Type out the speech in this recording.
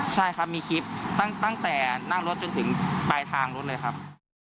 ใช่ครับมีคลิปตั้งแต่นั่งรถจนถึงปลายทางรถเลยครับ